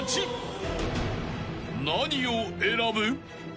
［何を選ぶ？］